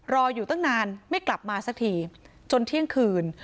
รออยู่ตั้งนานไม่กลับมาสักทีจนเที่ยงคืน